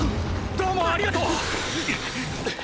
どうもありがとう！